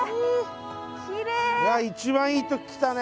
一番いい時来たね。